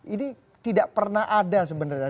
ini tidak pernah ada sebenarnya